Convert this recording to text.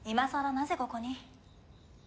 なぜここに？